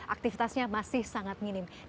aktivitasnya masih sangat minim